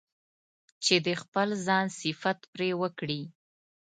چې د خپل ځان صفت پرې وکړي.